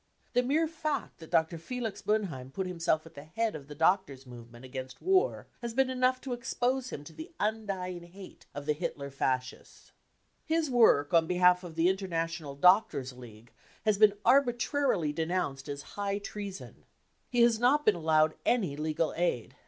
The mere fact that Dr. Felix Boenheim put himself at the head of the doctors' movement against war has been enough to expose him to the undying hate of the Hitler Fascists. His work on behalf of the international doctors' league has been arbitrarily denounced as c< high treason." He has not been allowed any legal aid.